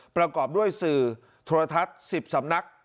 ประกอบด้วยสื่อโทรทัศน์๑๐สำนัก